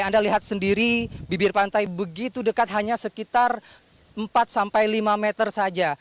anda lihat sendiri bibir pantai begitu dekat hanya sekitar empat sampai lima meter saja